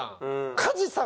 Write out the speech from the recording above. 加地さん